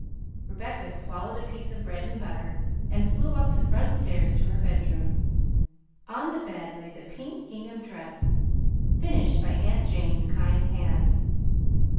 Rebecca swallowed a piece of bread and butter, and flew up the front stairs to her bedroom. On the bed lay the pink gingham dress finished by aunt Jane's kind hands.